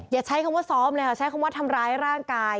อย่าใช้คำว่าซ้อมเลยค่ะใช้คำว่าทำร้ายร่างกาย